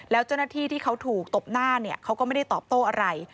แล้วเจ้าหน้าที่ที่เขาถูกตบหน้าเนี่ยเขาก็ไม่ได้ตอบโต้อะไร